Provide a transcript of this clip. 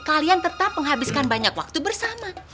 kalian tetap menghabiskan banyak waktu bersama